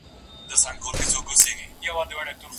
د بل سره خندا کول هيڅ زيان نه لري.